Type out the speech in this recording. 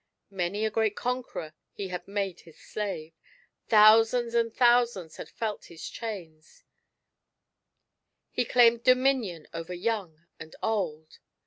Many a great conqueror he had made his slave, thousands and thousands had felt his chains, he claimed dominion over yoimg and old.